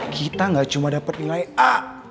kita gak cuma dapat nilai a